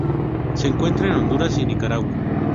Se encuentra en Honduras y Nicaragua.